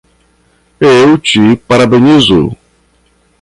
Eu te parabenizo